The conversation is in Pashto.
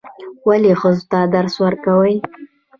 ولې ښځو ته درس ورکوئ؟